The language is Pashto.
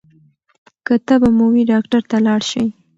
که تبه مو وي ډاکټر ته لاړ شئ.